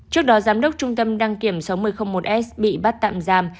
trước đó giám đốc trung tâm đăng kiểm sáu nghìn một s bị bắt tạm giam